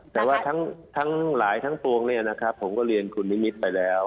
แต่ว่าทั้งหลายตัวเนี่ยผมก็เรียนคุณนิมทร์ไปแล้ว